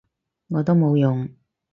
我都冇用